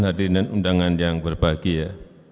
hadirin undangan yang berbahagia